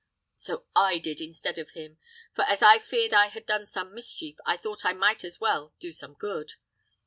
So I did, instead of him; for as I feared I had done some mischief, I thought I might as well do some good."